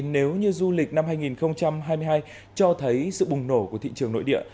nếu như du lịch năm hai nghìn hai mươi hai cho thấy sự bùng nổ của thị trường nội địa